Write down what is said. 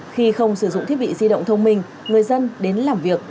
khi không sử dụng thiết bị di động thông minh người dân đến làm việc